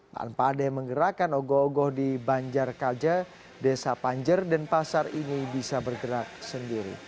tanpa ada yang menggerakkan ogo ogo di banjar kalja desa panjer denpasar ini bisa bergerak sendiri